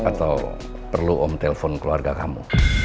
atau perlu om telpon keluarga kamu